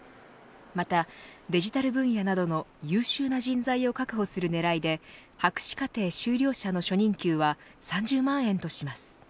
また、デジタル分野などの優秀な人材確保する狙いで博士課程修了者の初任給は３０万円とします。